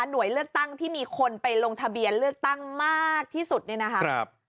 หน่วยเลือกตั้งที่มีคนไปลงทะเบียนเลือกตั้งมากที่สุดเนี่ยนะคะ